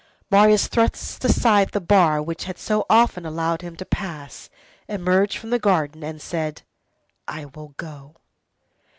Marius thrust aside the bar which had so often allowed him to pass, emerged from the garden, and said: "I will go."